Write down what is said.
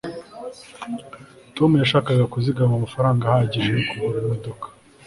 tom yashakaga kuzigama amafaranga ahagije yo kugura imodoka